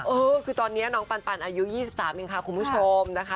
เออคือตอนนี้น้องปันอายุ๒๓เองค่ะคุณผู้ชมนะคะ